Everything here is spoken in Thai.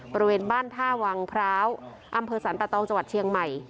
บริเวณบ้านท่าวังพร้าวอำเภอสรรปะตองจังหวัดเชียงใหม่